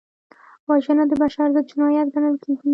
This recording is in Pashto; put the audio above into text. وژنه د بشر ضد جنایت ګڼل کېږي